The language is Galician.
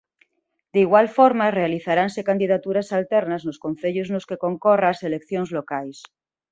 De igual forma realizaranse candidaturas alternas nos concellos nos que concorra ás eleccións locais.